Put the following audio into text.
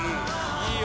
いいよ！